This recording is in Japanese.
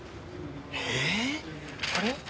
ええ？あれ？